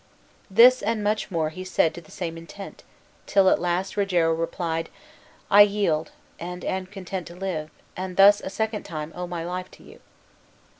This and much more he said to the same intent; till at last Rogero replied, "I yield, and am content to live, and thus a second time owe my life to you."